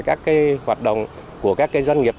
các hoạt động của các doanh nghiệp